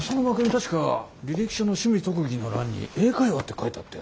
確か履歴書の趣味・特技の欄に「英会話」って書いてあったよね？